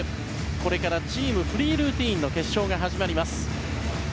これからチームフリールーティンの決勝が始まります。